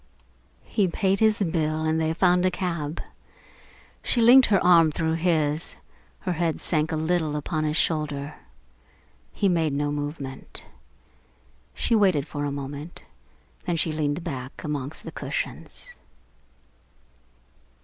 He paid his bill and they found a cab. She linked her arm through his, her head sank a little upon his shoulder. He made no movement. She waited for a moment, then she leaned back amongst the cushions.